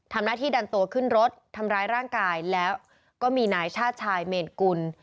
ทำหน้าที่ดันตัวขึ้นรถทำร้ายร่างกายแล้วก็มีนายชาติชายเมนกุล